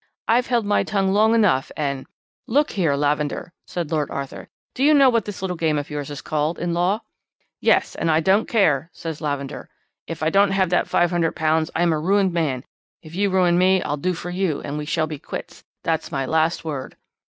I've held my tongue long enough, and ' "'Look here, Lavender,' said Lord Arthur, 'do you know what this little game of yours is called in law?' "'Yes, and I don't care,' says Lavender. 'If I don't have that £500 I am a ruined man. If you ruin me I'll do for you, and we shall be quits. That's my last word.'